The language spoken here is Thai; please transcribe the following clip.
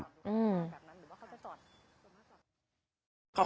อืม